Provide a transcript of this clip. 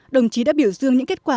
đồng chí đã biểu dương những kết quả